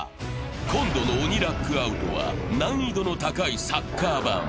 今度の鬼ラックアウトは、難易度の高いサッカー版。